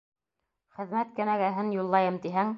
Хеҙмәт кенәгәһен юллайым тиһәң...